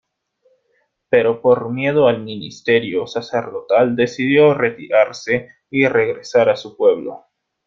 Pero por miedo al ministerio sacerdotal decidió retirarse y regresar a su pueblo.